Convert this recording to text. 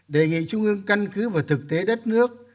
đề nghị trung ương căn cứ vào thực tế đất nước